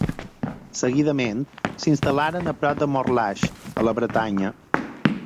Seguidament, s'instal·laren a prop de Morlaix, a la Bretanya.